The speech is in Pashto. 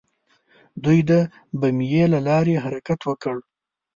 دوی د بمیي له لارې حرکت وکړ.